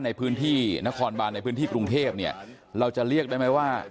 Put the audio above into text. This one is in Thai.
ในพื้นที่นครบานในพื้นที่กรุงเทพเนี่ยเราจะเรียกได้ไหมว่า